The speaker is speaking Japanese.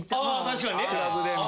確かにね。